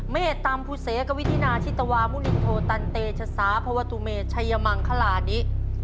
เมตตามภูเสกวิถินาชิตวามุลินโทตันเตชศาพวตุเมชัยมังคลานิ